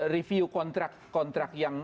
review kontrak kontrak yang